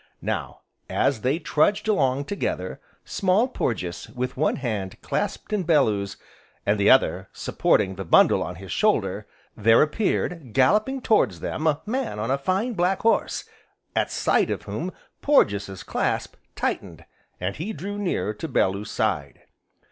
Now, as they trudged along together, Small Porges with one hand clasped in Bellew's, and the other supporting the bundle on his shoulder, there appeared, galloping towards them a man on a fine black horse, at sight of whom, Porges' clasp tightened, and he drew nearer to Bellew's side.